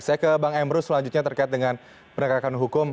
saya ke bang emrus selanjutnya terkait dengan penegakan hukum